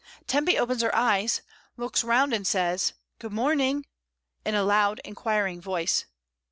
Tempy opens her eyes, looks round, says, " Good morning," in a loud inquiring voice.